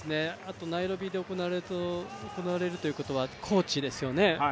ナイロビで行われるということは高地ですよね。